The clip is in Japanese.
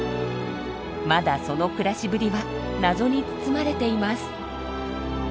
まだその暮らしぶりは謎に包まれています。